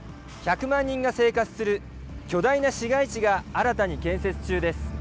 １００万人が生活する巨大な市街地が新たに建設中です。